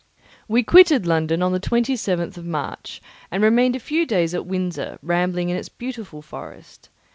We quitted London on the 27th of March and remained a few days at Windsor, rambling in its beautiful forest.